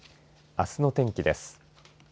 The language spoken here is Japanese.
あすの天気です。